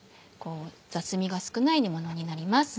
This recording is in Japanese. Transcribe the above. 雑味が少ない煮ものになります。